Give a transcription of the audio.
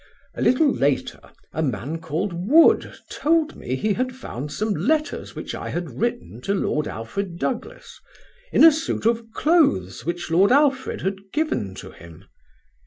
A little later a man called Wood told me he had found some letters which I had written to Lord Alfred Douglas in a suit of clothes which Lord Alfred had given to him.